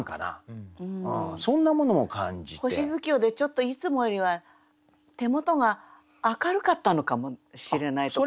星月夜でちょっといつもよりは手元が明るかったのかもしれないとか。